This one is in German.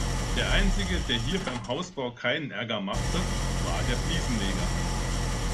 Der einzige, der beim Hausbau keinen Ärger machte, war der Fliesenleger.